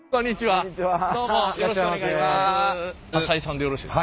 はい。